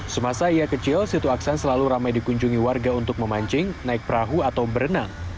semasa ia kecil situ aksan selalu ramai dikunjungi warga untuk memancing naik perahu atau berenang